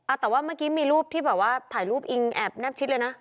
แต่ว่าเมื่อกี้มีรูปที่แบบว่าถ่ายรูปอิงแอบแนบชิดเลยนะ